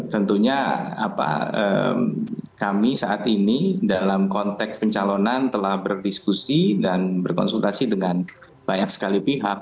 tentunya kami saat ini dalam konteks pencalonan telah berdiskusi dan berkonsultasi dengan banyak sekali pihak